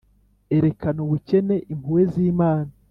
erekana ubukene impuhwe z'imana;